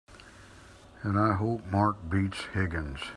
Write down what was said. And I hope Mark beats Higgins!